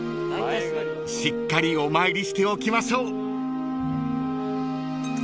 ［しっかりお参りしておきましょう］